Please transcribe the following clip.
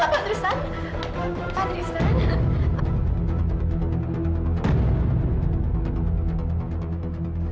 pak tristan pak tristan